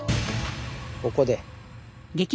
ここで。